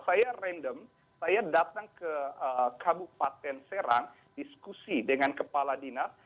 saya random saya datang ke kabupaten serang diskusi dengan kepala dinas